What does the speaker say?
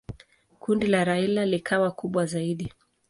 Kundi la Raila likawa kubwa zaidi.